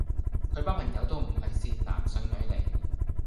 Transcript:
佢班朋友都唔係善男信女嚟